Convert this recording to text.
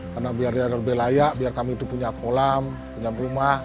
karena biar dia lebih layak biar kami itu punya kolam punya rumah